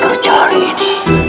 kerja hari ini